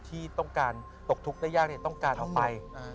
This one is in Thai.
ที่ต้องการตกทุกขได้ยากได้แล้วต้องการออกไป